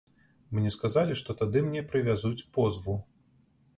Мне сказалі, што тады мне прывязуць позву.